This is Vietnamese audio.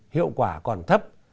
hiệu quả còn thấp